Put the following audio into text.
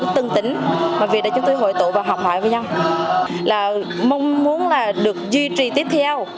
tương tính mà việc đây chúng tôi hội tụ và học hỏi với nhau mong muốn là được duy trì tiếp theo